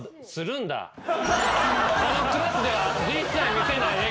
このクラスでは一切見せない笑顔。